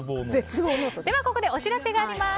ではここでお知らせがあります。